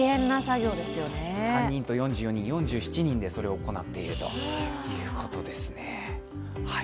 ３人と４４人、４７人で行っているということです。